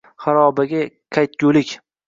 Xarobaga qaytgulik.